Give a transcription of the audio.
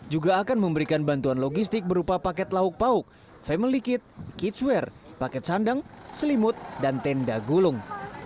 juga akan memberikan bantuan logistik berupa paket lauk pauk family kit kidswear paket sandang selimut dan tenda gulung